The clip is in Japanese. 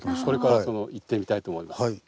これから行ってみたいと思います。